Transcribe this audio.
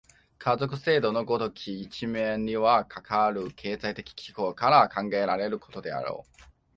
家族制度の如きも、一面にはかかる経済的機構から考えられるであろう。